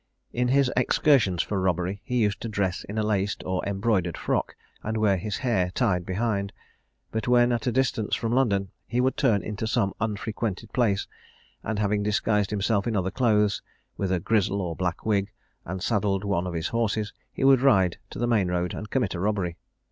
In his excursions for robbery he used to dress in a laced or embroidered frock, and wear his hair tied behind; but when at a distance from London, he would turn into some unfrequented place, and, having disguised himself in other clothes, with a grizzle or black wig, and saddled one of his horses, he would ride to the main road, and commit a robbery.